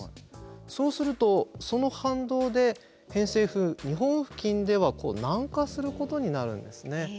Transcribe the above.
そうするとその反動で偏西風日本付近では南下することになるんですね。